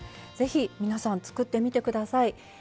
是非皆さん作ってみて下さい。